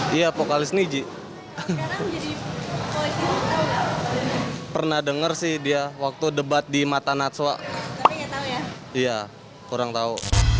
dia vokalis niji pernah dengar sih dia waktu debat di mata natsua iya kurang tahu